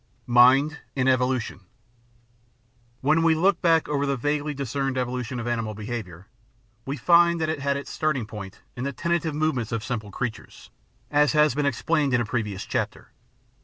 Mind in Evolution When we look back over the vaguely discerned evolution of Animal Behaviour, we find that it had its starting point in the tentative movements of simple creatures, as has been explained in a previous chapter.